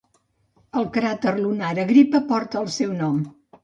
El cràter lunar Agrippa porta el seu nom.